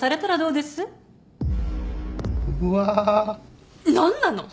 うわ。何なの！？